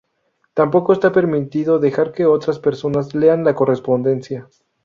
Tampoco está permitido dejar que otras personas lean la correspondencia.